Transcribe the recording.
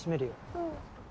うん。